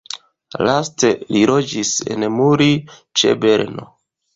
Laste li loĝis en Muri ĉe Berno.